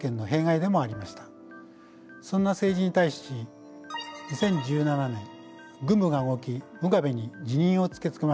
そんな政治に対し２０１７年軍部が動きムガベに辞任を突きつけました。